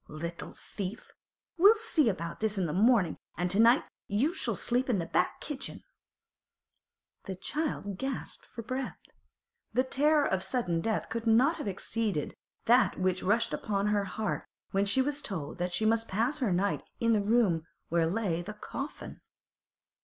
Little thief! We'll see about this in the mornin', an' to night you shall sleep in the back kitchen!' The child gasped for breath. The terror of sudden death could not have exceeded that which rushed upon her heart when she was told that she must pass her night in the room where lay the coffin.